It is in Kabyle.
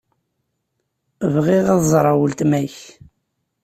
Bɣiɣ ad ẓreɣ weltma-k.